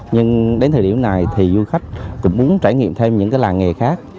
nhưng đến thời điểm này du khách cũng muốn trải nghiệm thêm những làng nghề khác